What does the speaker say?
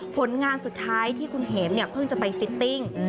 ผลงานสุดท้ายที่คุณเห็มเนี่ยเพิ่งจะไปฟิตติ้ง